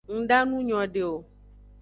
Nda nu nyode o.